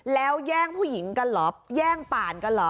แล้วแย่งผู้หญิงกันเหรอแย่งป่านกันเหรอ